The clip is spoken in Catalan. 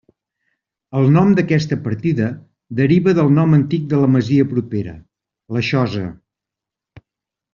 El nom d'aquesta partida deriva del nom antic de la masia propera, la Xosa.